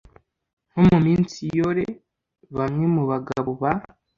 Nko muminsi yore bamwe mubagabo ba